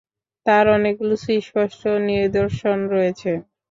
তার অনেকগুলো সুস্পষ্ট নিদর্শন রয়েছে।